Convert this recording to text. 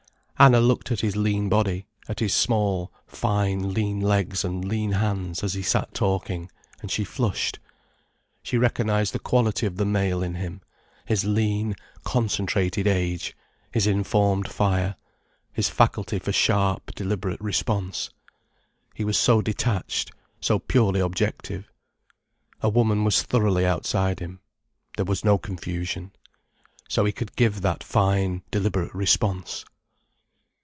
Anna looked at his lean body, at his small, fine lean legs and lean hands as he sat talking, and she flushed. She recognized the quality of the male in him, his lean, concentrated age, his informed fire, his faculty for sharp, deliberate response. He was so detached, so purely objective. A woman was thoroughly outside him. There was no confusion. So he could give that fine, deliberate response.